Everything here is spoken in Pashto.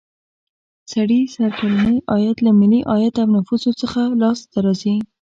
سړي سر کلنی عاید له ملي عاید او نفوسو څخه لاس ته راځي.